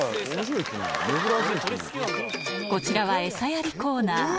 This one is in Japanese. こちらは餌やりコーナー。